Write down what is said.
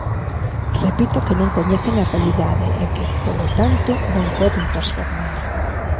Repito que non coñecen a realidade e que, polo tanto, non poden transformala.